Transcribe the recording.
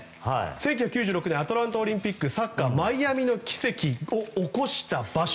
１９９６年アトランタオリンピックサッカー、マイアミの奇跡を起こした場所。